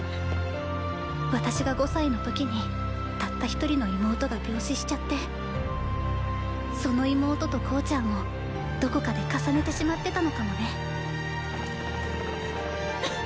私が五歳の時にたった一人の妹が病死しちゃってその妹と向ちゃんをどこかで重ねてしまってたのかもねふっ！